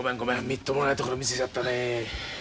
みっともないところ見せちゃったね。